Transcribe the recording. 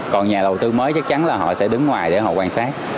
còn nhà đầu tư mới chắc chắn là họ sẽ đứng ngoài để họ quan sát